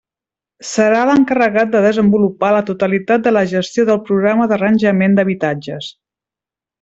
Serà l'encarregat de desenvolupar la totalitat de la gestió del Programa d'Arranjament d'Habitatges.